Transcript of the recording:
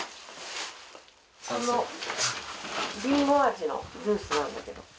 このりんご味のジュースなんだけど、うん。